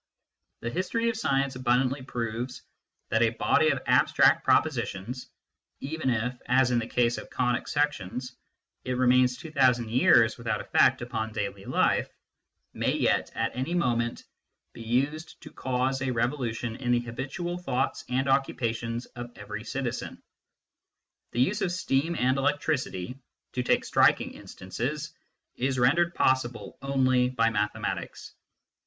The history of science abundantly proves that a body of abstract pro positions even if, as in the case of conic sections, it remains two thousand years without effect upon daily life may yet, at any moment, be used to cause a revolu tion in the habitual thoughts and occupations of every citizen. The use of steam and electricity to take striking instances is rendered possible only by mathematics.